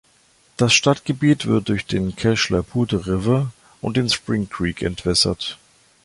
Das Stadtgebiet wird durch den Cache la Poudre River und den Spring Creek entwässert.